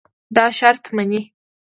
دا شرط منې.